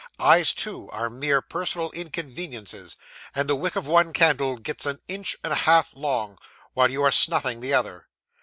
Eyes, too, are mere personal inconveniences; and the wick of one candle gets an inch and a half long, while you are snuffing the other.